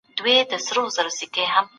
مثبت فکر کول خوندي چاپیریال رامینځته کوي.